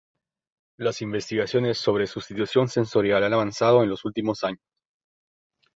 Las investigaciones sobre sustitución sensorial han avanzado en los últimos años.